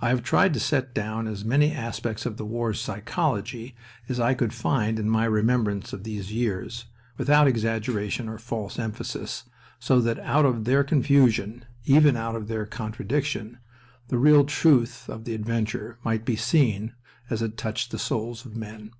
I have tried to set down as many aspects of the war's psychology as I could find in my remembrance of these years, without exaggeration or false emphasis, so that out of their confusion, even out of their contradiction, the real truth of the adventure might be seen as it touched the souls of men.